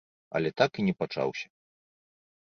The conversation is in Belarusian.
Але так і не пачаўся.